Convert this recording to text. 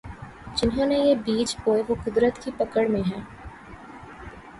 جنہوں نے یہ بیج بوئے وہ قدرت کی پکڑ میں ہیں۔